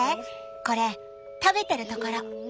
これ食べてるところ。